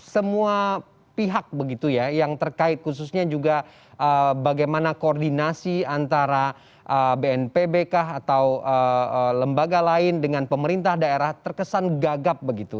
semua pihak begitu ya yang terkait khususnya juga bagaimana koordinasi antara bnpb kah atau lembaga lain dengan pemerintah daerah terkesan gagap begitu